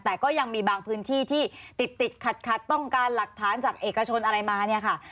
แต่ก็ยังมีบางพื้นที่ที่ติดคัดต้องการหลักฐานจากเอกชนอะไรมา